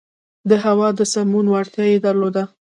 د هوا د سمون وړتیا یې درلوده.